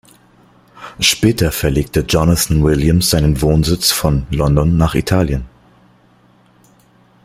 Später verlegte Jonathan Williams seinen Wohnsitz von London nach Italien.